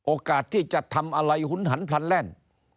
โอกาสที่จะทำอะไรหุนหันพลันแลนด์